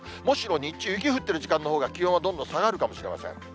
むしろ日中雪降っている時間のほうが、気温はどんどん下がるかもしれません。